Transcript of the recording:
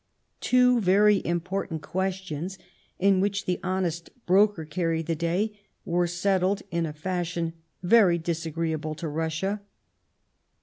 Two very important questions, in which the honest broker carried the day, were settled in a fashion very disagreeable to Russia.